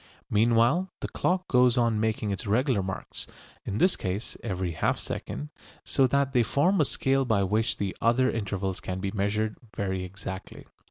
Meanwhile the clock goes on making its regular marks (in this case every half second), so that they form a scale by which the other intervals can be measured very exactly.